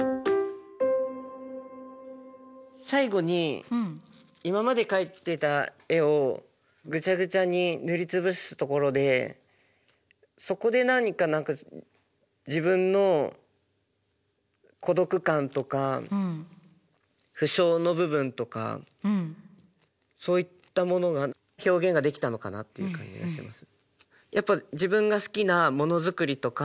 最後に今まで描いてた絵をぐちゃぐちゃに塗り潰すところでそこで何か自分の孤独感とか不詳の部分とかそういったものが表現ができたのかなっていう感じがします。